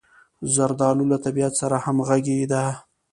زردالو له طبعیت سره همغږې ده.